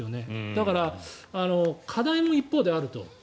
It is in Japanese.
だから、課題も一方であると。